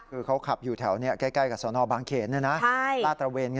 คือเขาขับอยู่แถวนี้ใกล้กับสนบางเขนนี่นะ